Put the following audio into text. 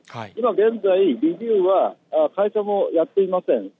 今現在、リビウは会社もやっていません。